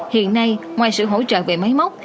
hiện nay ngoài sự hỗ trợ về máy móc